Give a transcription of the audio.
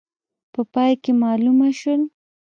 په پای کې معلومه شول.